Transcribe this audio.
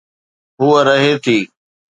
هوءَ رهي ٿي.